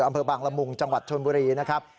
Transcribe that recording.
อำเภอบางละมุงจังหวัดชนบุรีนะครับ